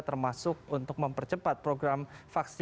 termasuk untuk mempercepat program vaksinasi